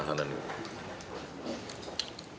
itu dengan saya penahanan itu